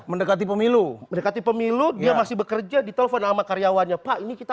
mendekati pemilu mendekati pemilu dia masih bekerja ditelepon sama karyawannya pak ini kita